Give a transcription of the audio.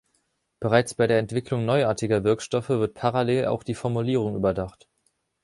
Bereits bei der Entwicklung neuartiger Wirkstoffe wird parallel auch die Formulierung überdacht.